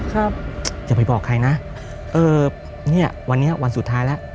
ครับอย่าไปบอกใครนะเออเนี้ยวันนี้วันสุดท้ายแล้ว